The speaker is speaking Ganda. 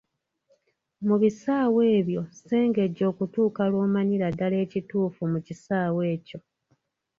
Mu bisaawe ebyo sengejja okutuuka lw’omanyira ddala ekituufu mu kisaawe ekyo.